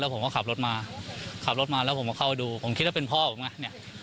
ผมก็ขับรถมาขับรถมาแล้วผมก็เข้าดูผมคิดว่าเป็นพ่อผมไงเนี่ย